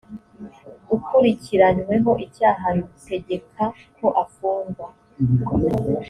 ukurikiranyweho icyaha rutegeka ko afungwa